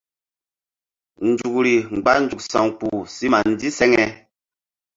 Nzukri mgba nzuk sa̧wkpuh si ma ndiseŋe.